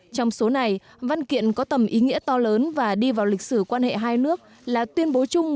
trong số này văn kiện có tầm ý nghĩa to lớn và đi vào lịch sử quan hệ hai nước là tuyên bố chung